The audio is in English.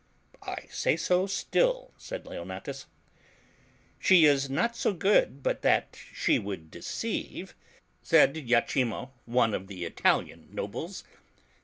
"I say so still," said Leonatus. • "She is not so good but that she would deceive," said Iachimo» one of the Italian nobles.